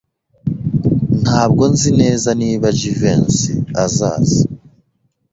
Ntabwo nzi neza niba Jivency azaza.